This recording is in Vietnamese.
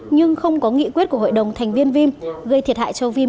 nhưng không có nghị quyết của hội đồng thành viên vim gây thiệt hại cho vim gần một mươi tỷ đồng